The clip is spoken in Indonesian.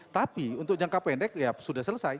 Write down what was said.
tapi untuk jangka pendek ya sudah selesai